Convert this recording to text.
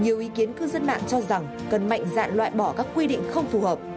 nhiều ý kiến cư dân mạng cho rằng cần mạnh dạn loại bỏ các quy định không phù hợp